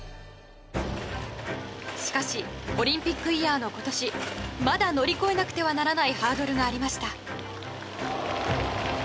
しかしオリンピックイヤーの今年まだ乗り越えなくてはならないハードルがありました。